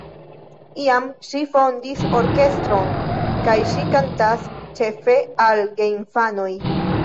Iam ŝi fondis orkestron kaj ŝi kantas ĉefe al geinfanoj.